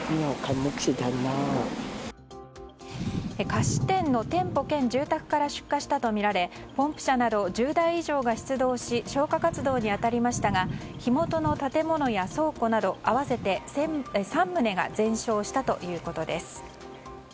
菓子店の店舗兼住宅から出火したとみられポンプ車など１０台以上が出動し消火活動に当たりましたが火元の建物や倉庫など合わせて３棟が全焼したということです。